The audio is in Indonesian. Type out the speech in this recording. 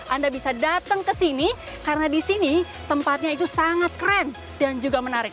anda bisa datang ke sini karena di sini tempatnya itu sangat keren dan juga menarik